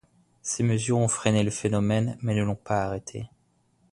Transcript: Ces mesures ont freiné le phénomène, mais ne l'ont pas arrêté.